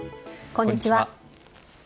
こんにちは。